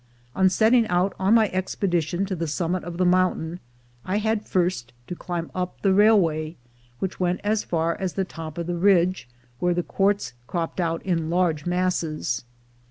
On setting out on my expedition to the summit of the mountain, I had first to climb up the railway, which went as far as the top of the ridge, where the quartz cropped out in large masses.